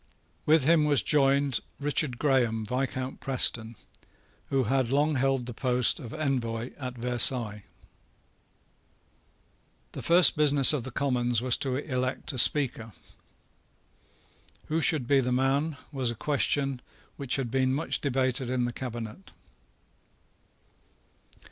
With him was joined Richard Graham, Viscount Preston, who had long held the post of Envoy at Versailles. The first business of the Commons was to elect a Speaker. Who should be the man, was a question which had been much debated in the cabinet.